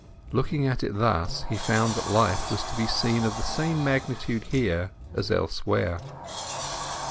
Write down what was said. Looking at it thus, he found that life was to be seen of the same magnitude here as elsewhere.